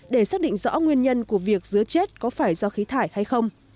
để xác định rõ nguyên nhân của việc dứa chết có phải do khí thải hay không